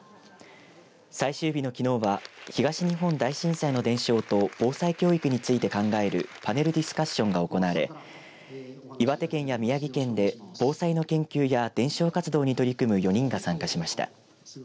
最終日のきのうは東日本大震災の伝承と防災教育について考えるパネルディスカッションが行われ岩手県や宮城県で防災の研究や伝承活動に取り組む４人が参加しました。